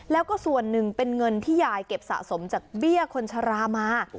แล้วก็ส่วนหนึ่งเป็นเงินที่ยายเก็บสะสมจากเบี้ยคนชรามา